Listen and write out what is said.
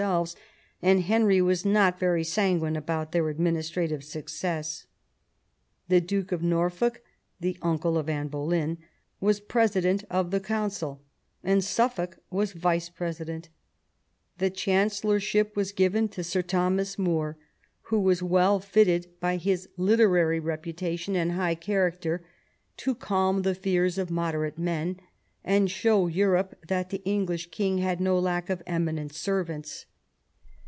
elves ; and Henry was not very sanguine about their administrative success. The Duke of Norfolk, the uncle of Anne Bolejm, was president of the Goimcil, and SujQfolk was vice president The chancellorship was given to Sir Thomas More, who was well fitted by his literary reputation and high character to cahn the fears of moderate men, and show Europe that the English king had no lack of eminent servants.